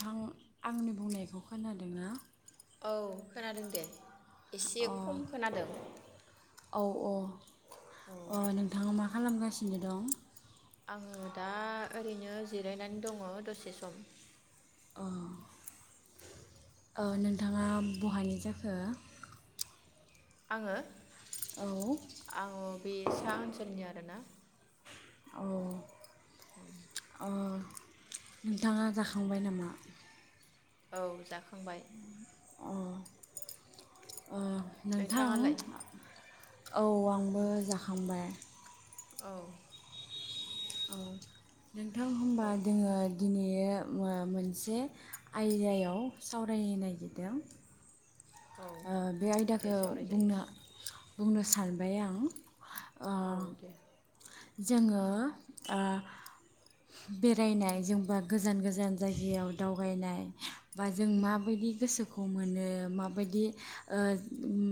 थां। आंनि बुंनायखौ खोनादोंना? औ खोनादों दे। एसे अ खम खोनादों। औ अ। औ अ नोंथाङा मा खालामगास [unintelligible] आङो दा ओरैनो जिरायनानै दङ दसे सम। अह ओ नोंथाङा बहानि जाखो? आङो? औ आङो बे सा ओनसोलनि आरो ना। औ। ओ। नोंथाङा जाखांबाय नामा? औ जाख अ' ओ नोंथां। नोंथाङालाय औ आंबो जाखांबाय। औ औ नोंथां औ होमबा दोङो दिनैयो मो मोनसे आयदायाव सावरायनो नागिरदों। औ ओ बे दे आयदाखौ सावरायजायो बुंनो बुंनो सानबाय आं। औ ओ दे। जोङो ओ बेरायनाय जोंबा गोजान गोजान जायगायाव दावबायनाय बा जों माबायदि गोसो खौ मोनो माबायदि ओ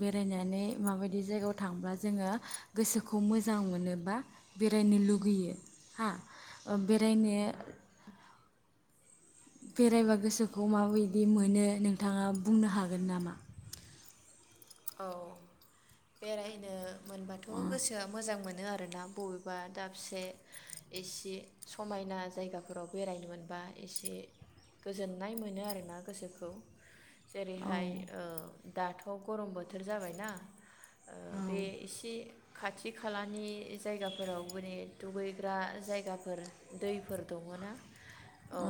बेरायनानै माबायदि जायगायाव थांब्ला जोङो गोसोखौ मोजां मोनोबा बेरायनो लुगैयो हा। ओ बेरायनो बेरायबा गोसोखौ माबायदि मोनो नोंथाङा बुंनो हागोन नामा? औ बेरायनो मोनबाथ' गोसोआ मोजां मोन मोनो आरोना बबेबा दाबसे एसे समायना जायगाफोराव बेरायनो मोनबा एसे गोजोननाय मोनो आरोना गोसोखौ। औ जेरैहाय ओ। दाथ' गरम बोथोर जाबाय ना। ओ औ बे एसे खाथि खालानि जायगाफोराव माने दुगैग्रा जायगाफोर दैफोर दङ ना?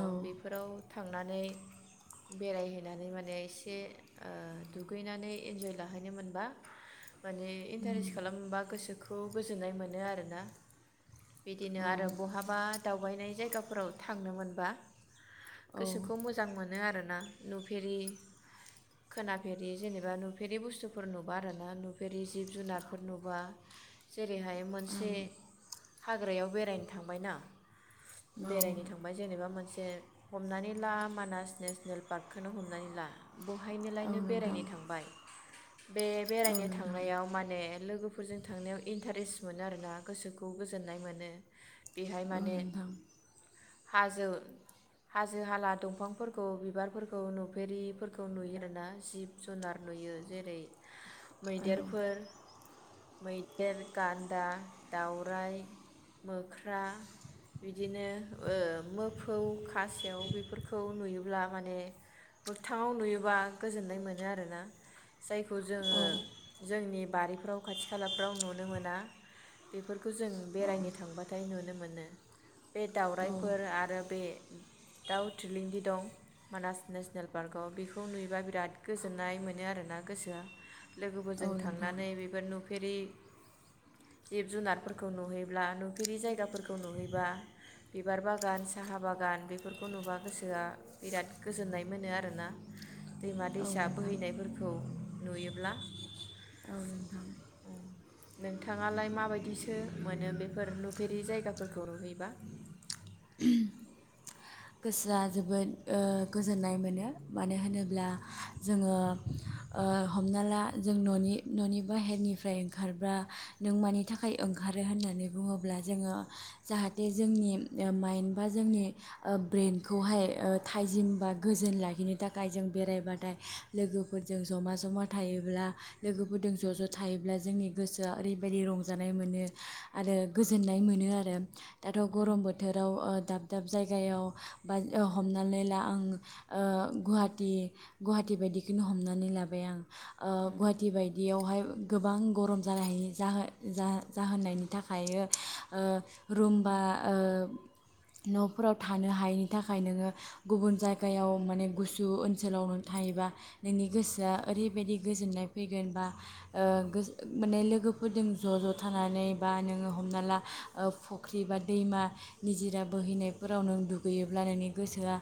औ बेफोराव थांनानै बेरायहैनानै माने एसे ओ दुगैनानै इन्जय लाहैनो मोनबा माने इन्टारेस्ट खालामोनबा गोसोखौ खौ गोजोन्नाय मोनो आरोना। बिदिनो औ आरो बहाबा दावबायनाय जायगाफोराव थांनो मोनबा औ गोसोखौ मोजां मोनो आरो। ना नुफेरि खोनाफेरि जेनेबा फेरि बुस्थुफोर नुबा आरो ना नुफेरि जिब जुनारफोर नुबा जेरैहाय मोनसे हाग्रायाव बेरायनो थांबाय ना औ बेरायनो थांबाय जेनेबा मोनस जे हमनानै ला मानास नेसनेल पार्कखौनो हमनानै ला औ बहायनोलायनो नोंथां बेरायनो थांबाय बे औ बेरायनो नोंथां थांनायाव माने लोगो फोरजों थांनायाव इन्टारेस्ट मोनो आरोना गोसोखौ गोजोननाय मोनो। बेहाय औ माने नोंथां हाजो हाजो हाला दंफांफोरखौ बिबारफोरखौ नुफेरिफोरखौ नुयो आरोना जिब जुनार नुयो। जेरै औ मैदेरफोर मैदेर, गान्दा, दाउराइ, मोख्रा बिदिनो ओ मोफौ, खासेव बेफोरखौ नुयोब्ला माने मोगथाङाव नुयोबा गोजोननाय मोनो आरोना। जायखौ औ जोङो जोंनि बारिफ्राव खाथि खालाफ्राव नुनो मोना बेफोरखौ जों बेरायनो थांबाथाय नुनो मोनो बे औ दाउराइफोर आरो बे दाउ थ्रिलंदि दं मानास नेसनेल पार्कआव बेखौ नुयोबा बिराद गोजोननाय मोनो आरोना गोसोया। औ लोगोफोरजों नोंथां थांनानै बेफोर नु फेरि जिब जुनारफोरखौ नुहैब्ला नुफेरि जायगाफोरखौ नुहैबा बिबार बागान साहा बागान बेफोरखौ नुबा गोसोया बिराद गोजोननाय मोनो आरोना। दैमा औ दैसा नोंथां बोहैनायफोरखो खौ नुयोब्ला औ नोंथां। नोंथाङालाय माबायदिसो मोनो बेफोर नुफेरि जायगाफोरखौ नुहैबा? गोसोया जोबोद ओ गोजोननाय मोनो मानो होनोब्ला जोङो ओ हमना ला जों न'नि न'नि बाहेरनिफ्राय ओंखारबा नों मानि थाखाय ओंखारो होननानै बुङोब्ला जोङो जाहाथे जोंनि ओ माइन्ड बा जोंनि ओ ब्रेनखौहाय ओ थाइजिम बा गोजोन लाखिनो थाखाय जों बेरायबाथाय लोगोफोरजों जमा जमा थायोब्ला लोगोफोरजों ज' ज' थायोब्ला जोंनि गोसोया ओरैबायदि रंजानाय मोनो आरो गोजोननाय मोनो आरो। दाथ' गरम बो थोराव ओ दाब दाब जायगायाव बा ओ हमनानै ला आं ओ गुवाहाटि गुवाहाटि बायदिखौनो हमनानै लाबाय आं ओ गुवाहाटि बायदियावहाय गोबां गरम जानायनि जाहोन जा जाहोननायनि थाखायनो ओ रुमबा ओ न'फोराव थानो हायैनि थाखाय नोङो गुबुन जायगायाव माने गुसु ओनसोलावनो थायोबा नोंनि गोसोया ओरैबायदि गोजोननाय फैगोन बा ओ गोसो माने लोगोफोरजों ज' ज' थानानै बा नोङो हमना ला ओ फुख्रि बा दैमा निजिरा बोहैनायफोराव नों दुगैयोब्ला नोंनि गोसोया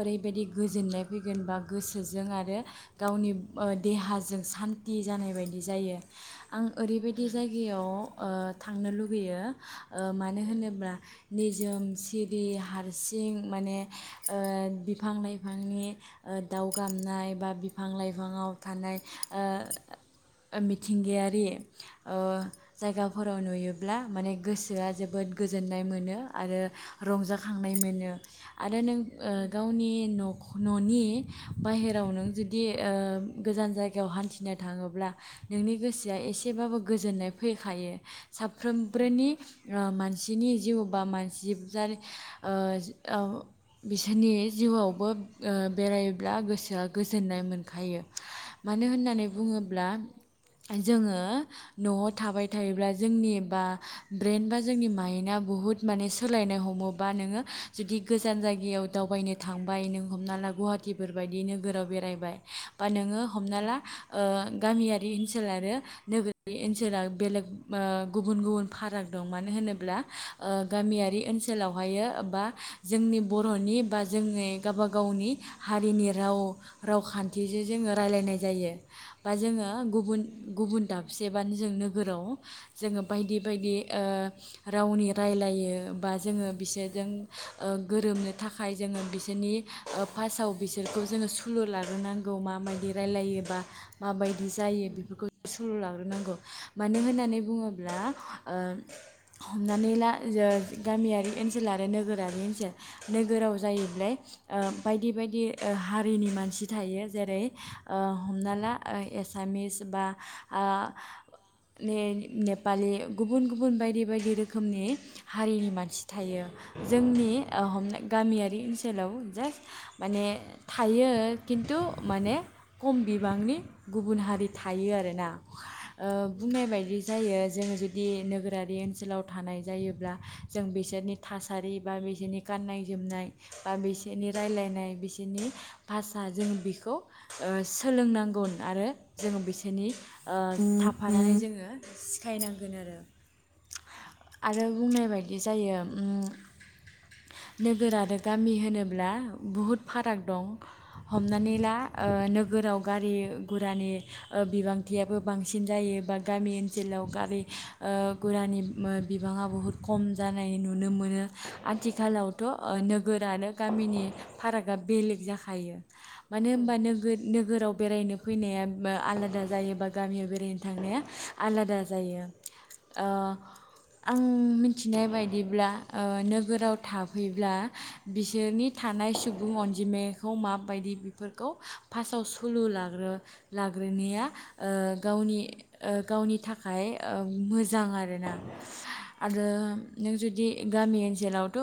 ओरैबायदि गोजोननाय फैगोन बा गोसोजों आरो गावनि ओ देहाजों सान थि जानाय बायदि जायो। आं ओरैबायदि जायगायाव औ ओ थांनो लुगैयो ओ मानो होनोब्ला निजोम सिरि हारसिं माने ओ बिफां लाइफांनि ओ दाउ गामनाय बा बिफां लाइफाङाव थानाय ओ मिथिंगायारि ओ जायगाफोराव नुयोब्ला माने गोसोया जोबोद गोजोननाय मोनो आरो रंजाखांनाय मोनो आरो नों ओ गावनि न'ख न'नि बाहेराव नों जुदि ओ गोजान जायगायाव हान्थिनो थाङोब्ला नोंनि गोसोया एसेबाबो गोजोननाय फैखायो साफ्रोमब्रोनि ओ मानसिनि जिउ बा मानसि जिबजार ओ औ बिसोरनि जिउआवबो ओ बेरायोब्ला गोसोआ गोजोननाय मोनखायो मानो होननानै बुङोब्ला जोङो न'आव थाबाय थायोब्ला जोंनि बा ब्रेन बा जोंनि माइन्दआ बुहुद माने सोलायनाय हमोबा नोङो जुदि गोजान जायगायाव दावबायनो थांबाय नों हमना ला गुवाहाटिफोरबायायदि नोगोराव बेरायबाय बा नोङो हमना ला ओ गामियारि ओनसोल आरो नोगोरारि ओनसोला बेलेग ओ गुबुन गुबुन फाराग दं मानो होनोब्ला ओ गामियारि ओनसोलावहायो बा जोंनि बर'नि बा जोंनि गाबा गावनि हारिनि राव रावखान्थिजों जोङो राय्लायनाय जायो बा जोङो गुबुन गुबुन दाबसे एबा जों नोगोराव जोङो बायदि बायदि ओ रावनि रायलायो बा जोङो बिसोरजों ओ गोरोबनो थाखाय जोङो बिसोरनि ओ फास्टआव बिसोरखौ जोङो सुलु लाग्रोनांगौ माबायदि रायलायोबा माबाय दि जायो बेफोरखौ सुलु लाग्रोनां गौ मानो होननानै बुङोब्ला ओ हमनानै ला ओ गामियारि ओनसोल आरो नोगोरारि ओनसोल नोगोराव जायैब्लाय ओ बायदि बायदि ओ हारिनि मानसि थायो जेरै ओ हमना ला ओ एसामिस बा आ ने नेपालि गुबुन गुबुन बायदि बायदि रोखोमनि हारिनि मानसि थायो जोंनि अ हमना गामियारि ओनसोलाव जास्ट माने थायो खिन्थु माने खम बिबांनि गुबुन हारि थायो आरोना ओ बुंनाय बायदि जायो जोंङो जुदि नोगोरारि ओनसोलाव थानाय जायोब्ला जों बिसोरनि थासारि बा बिसोरनि गाननाय जोमनाय बा बिसोरनि रायलायनाय बिसोरनि भाषा जों बिखौ ओ सोलोंनांगोन आरो जों बिसोरनि थाफानानै जोङो सिखायनांगोन आरो आरो बुंनाय बायदि जायो ओ नोगोर आरो गामि होनोब्ला बहुद फाराग दं हमनानै लाओ नो गोराव गारि गुरानि ओ बिबांथियाबो बांसिन जायो बा गामि ओनसोलाव गारि ओ गुरानि मो बिबाङा बहुद खम जानाय नुनो मोनो आथिखालावथ' ओ नोगोर आरो गामिनि फारागा बेलेग जाखायो मानो औ होनबा नोगो नोगोराव बेरायनो फैनाया आलादा जायो बा गामियाव बेरायनो थांनाया आलादा जायो आ आं मिथिनाय बायदिब्ला ओ नोगोराव थाफैब्ला बिसोरनि थानाय सुबुं अनजिमाखौ माबायदि बेफोरखौ फार्स्टआव सलु लाग्रो लाग्रोनाया ओ गावनि ओ गावनि थाखाय ओ मोजां आरोना आरो नों जुदि गामि ओनसोलावथ'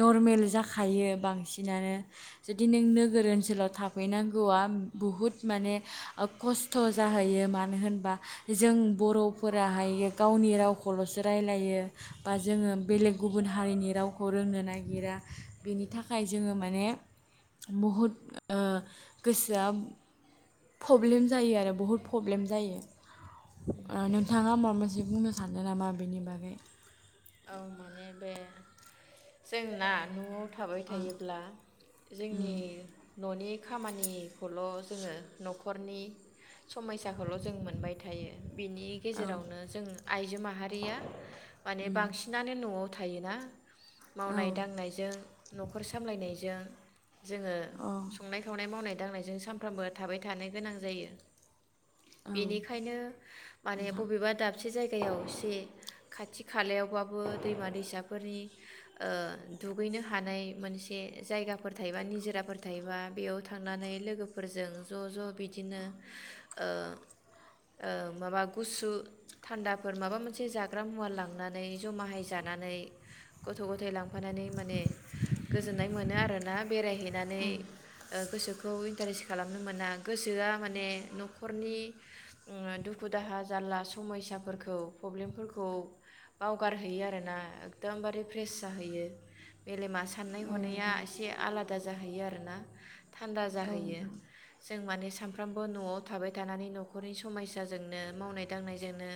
नरमेल जाखायो बांसिनानो जुदि नों नोगोर ओनसोलाव थाफैनांगौआ बहुद माने खस्थ' जाहैयो मानो होनबा जों बर'फोराहाय गावनि रावखौलसो रायलायो बा जोङो बेलेग गुबुन हारिनि रावखौ रोंनो नागिरा बेनि थाखाय जोङो माने बहुद ओ गोसोआ पब्लेम जायो आरो बहुद पब्लेम जायो ओ नोंथांङा माबामोनसे बुंनो सानदों नामा बिनि बागै औ माने बे जों ना न'आव थ थाबाय थायोब्ला जोंनि न'नि खामानिखौल' जोङो नखरनि समयसाखौल' जों मोनबाय थायो बिनि औ गेजेरावनो जों आइजो माहारिया माने बांसिनानो न'आव थायोना औ मावनाय दांनायजों न'खर सामलायनाय जों जोङो औ संनाय खावनाय मावनाय दांनायजों सामफ्रामबो थाबाय थानो गोनां जायो। बेनिखायनो माने नोंथां बबेबा दाबसे जायगायाव एसे खाथि खालायावबाबो दैमा दैसाफोरनि ओ दुगैनो हानाय मोनसे जायगाफोर थायोबा निजिराफोर थायोबा बेयाव थांनानै लोगोफोरजों ज' ज' बिदिनो ओ ओ माबा गुसु थान्दाफोर माबा मोनसे जाग्रा मुवा लां नानै ज'माहाय जानानै ग'थ' ग'थाय लांफानानै माने गोजोन्नाय मोनो आरो ना बेरायहै नानै ओ गोसो गौ इन्टारेस्ट खालामनो मोना गोसोआ माने न'खरनि उम दुखु दाहा जारला समयसाफोरखौ प्रब्लेमफोरखौ बावगारहैयो आरोना एकदमबारे फ्रेस जाहैयो मेलेमा साननाय औ हनाया नोंथां एसे आलादा जाहैयो आरो ना थान्दा औ जाहैयो। नोंथां जों माने सामफ्रामबो न'आव थाबाय थानानै न'खरनि समयसाजोंनो मावनाय दांनायजोंनो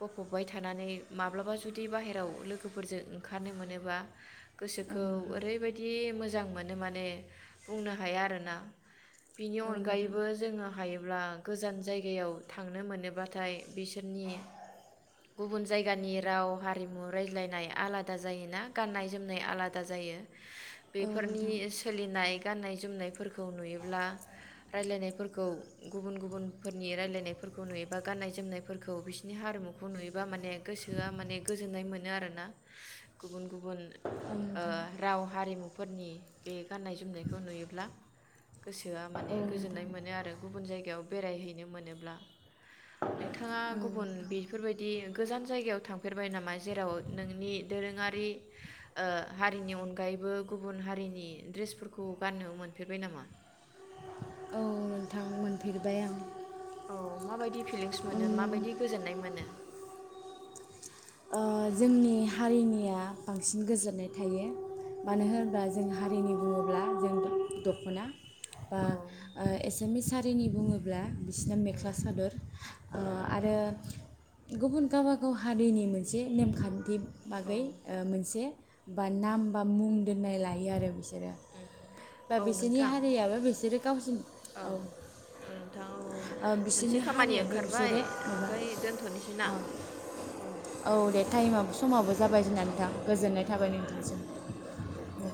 गफबबाय थानानै माब माब्लाबा जुदि बाहेराव लोगोफोरजों ओंखारनो मोनोबा औ गोसोखौ नोंथां ओरैबायदि मोज मोजां मोनो माने बुंनो हाया आरोना बिनि औ नोंथां अनगायैबो जोङो हायोब्ला गोजान जायगायाव थांनो मोनोबाथाय बिसोर राव हारिमु रायज्लायनाय आलादा जायोना गाननाय जोमनाय आलादा जायो औ बेफोरनि नोंथां सोलिनाय गाननाय जुमनायफोरखौ नुयोब्ला रायलायनायफोरखौ गुबुन गुबुन फोरनि रायलायनायफोरखौ नुयोबा गान्नाय जोमनायफोरखौ बिसिनि हारिमुखौ नुयोबा माने गोस सोआ माने गोजोन्नाय मोनो आरोना गुबुन गुबुन औ नोंथां औ ओ नोंथां राव हारिमुफोरनि बे गाननाय जोमनायखौ नुयोब्ला। गोसोआ माने गोजोननाय मोनो आरो गुबुन जायगायाव बेरायहैनो मोनोब्ला नोंथाङा औ गुबुन नोंथां बेफोरबायदि गोजान जायगायाव थांफेरबाय नामा जेराव नोंनि दोरोङारि ओ हारिनि अनगायैबो गुबुन हारिनि द्रेसफोरखौ गाननो मोनफेरबाय नामा? औ नोंथां मोनफेरबाय आं। औ माबायदि फिलिंस मोनो माबायदि गोजोन्नाय मोनो? अ जोंनि हारिनिया बांसिन गोजोननाय थायो मानो होनोब्ला जों हारिनि बुङोब्ला जों दख'ना बा औ ओ एसामिस हारिनि बुङोब्ला सिना मेख्ला सादर ओ ओं आरो गुबुन गावबागाव हारिनि मोन जे नेमखान्थिब औ बागै ओ मोनसे बा नाम बा मुं दोननाय लायो आरो बिसो सोरो बा औ बिसोरनि नोंथां हारियाबो बिसोरो गावसिनि औ औ नोंथां औ ओ मोनसे बिसोरनि खामानि हारियाबो ओंखारबाय बिसोरो माबा ओमफ्राय दोनथ'नोसै ना? अ औ दे टाइमा समाबो जाबाय दिनानै औ नोंथां गोजोननाय था थाबायनि थाखाय जों